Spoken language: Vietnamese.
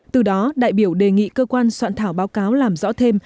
từ đó đại biểu đề nghị cơ quan soạn thảo báo cáo làm rõ thêm